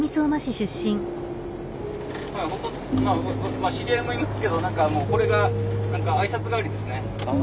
まあ知り合いもいますけど何かもうこれが挨拶代わりですね。